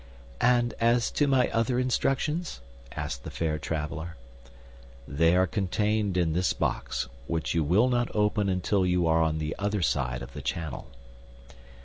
"And as to my other instructions?" asked the fair traveler. "They are contained in this box, which you will not open until you are on the other side of the Channel."